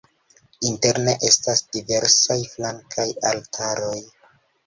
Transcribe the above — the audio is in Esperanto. Interne estas diversaj flankaj altaroj.